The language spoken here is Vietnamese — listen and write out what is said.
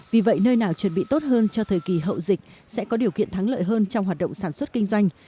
vì vậy nơi nào chuẩn bị tốt hơn cho thời kỳ hậu dịch sẽ có điều kiện thắng lợi hơn trong hoạt động sản xuất kinh doanh